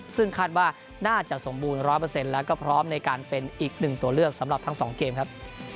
ซึ่งคาดว่าน่าจะสมบูรณ์๑๐๐แล้วก็พร้อมในการเป็นอีกหนึ่งตัวเลือกสำหรับทั้ง๒เกมครับ